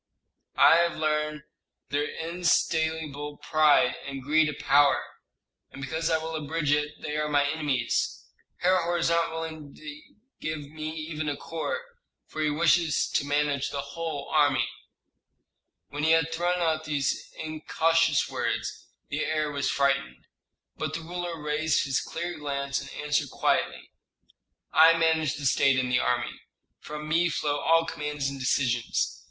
"I have learned their insatiable pride, and greed of power. And because I will abridge it they are my enemies. Herhor is not willing to give me even a corps, for he wishes to manage the whole army." When he had thrown out these incautious words, the heir was frightened. But the ruler raised his clear glance, and answered quietly, "I manage the state and the army. From me flow all commands and decisions.